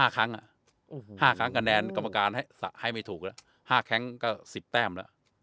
๕ครั้ง๕ครั้งคะแนนกรรมการให้ไม่ถูกแล้ว๕ครั้งก็๑๐แต้มแล้ว